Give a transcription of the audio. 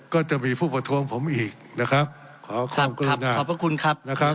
ก็จะมีผู้ประท้วงผมอีกนะครับขอขอบคุณขอบพระคุณครับนะครับ